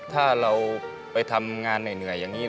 ถ้าเราไปทำงานเหนื่อยอย่างนี้